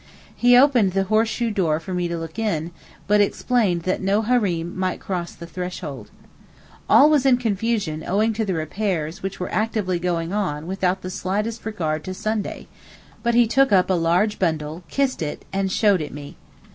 He opened the horseshoe door for me to look in, but explained that no Hareem might cross the threshold. All was in confusion owing to the repairs which were actively going on without the slightest regard to Sunday; but he took up a large bundle, kissed it, and showed it me.